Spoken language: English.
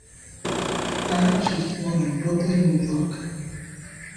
Adams was born in Brooklyn, New York.